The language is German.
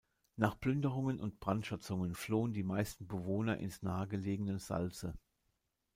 Nach Plünderungen und Brandschatzungen flohen die meisten Bewohner ins nahe gelegene Salze.